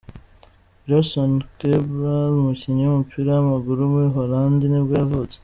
Jerson Cabral, umukinnyi w’umupira w’amaguru w’umuholandi nibwo yavutse.